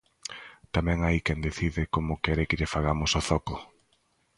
Tamén hai quen decide como quere que lle fagamos o zoco!